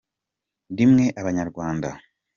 Rimwe abanyarwanda.